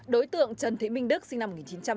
đối tượng trần thị minh đức sinh năm hai nghìn một mươi năm